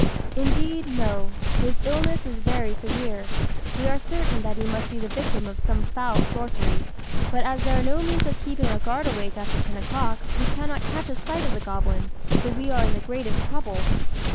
"Indeed, no; his illness is very severe. We are certain that he must be the victim of some foul sorcery; but as there are no means of keeping a guard awake after ten o'clock, we cannot catch a sight of the goblin, so we are in the greatest trouble."